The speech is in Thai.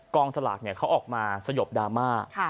กองสลากเนี่ยเขาออกมาสยบดราม่า